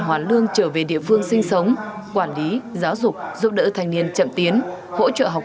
hoán lương trở về địa phương sinh sống quản lý giáo dục giúp đỡ thanh niên chậm tiến hỗ trợ học